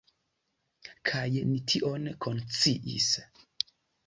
Kaj ni tion konsciis.